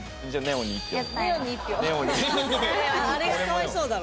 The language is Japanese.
あれがかわいそうだろ。